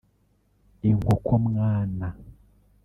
inkoko mwana